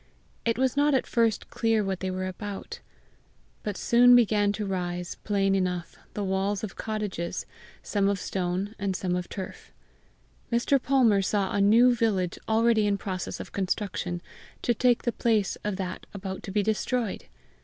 It was not at first clear what they were about; but soon began to rise, plain enough, the walls of cottages, some of stone, and some of turf; Mr. Palmer saw a new village already in process of construction, to take the place of that about to be destroyed!